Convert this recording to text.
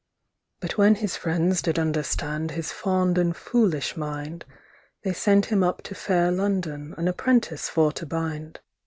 IIIBut when his friends did understandHis fond and foolish mind, They sent him up to fair London, An apprentice for to bind.